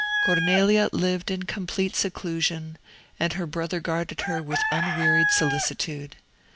Cornelia lived in complete seclusion, and her brother guarded her with unwearied solicitude.